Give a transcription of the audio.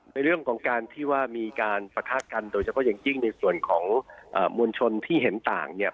ในเรื่องของการที่ว่ามีการปะทะกันโดยเฉพาะอย่างยิ่งในส่วนของมวลชนที่เห็นต่างเนี่ย